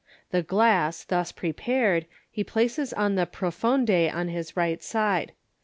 The glass, thus prepared, he places in the profonde on his right side.